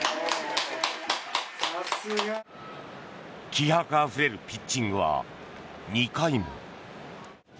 気迫あふれるピッチングは２回も。